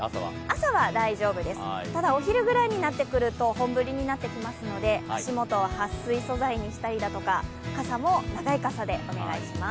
朝は大丈夫です、ただお昼頃になると本降りになるので足元、はっ水素材にしたりだとか傘も長い傘でお願いします。